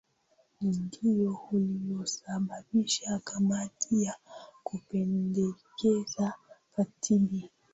Ndio uliosababisha kamati ya kupendekeza Katiba